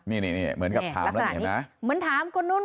นี่เหมือนกับปราณ์หน้าเห็นไหมนี่แหละราตรณะนี้เหมือนถามคนนู่น